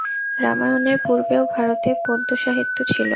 রামায়ণের পূর্বেও ভারতে পদ্য-সাহিত্য ছিল।